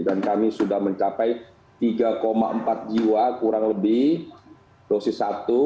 dan kami sudah mencapai tiga empat jiwa kurang lebih dosis satu